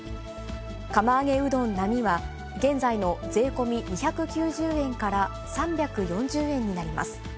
釜揚げうどん並は、現在の税込み２９０円から３４０円になります。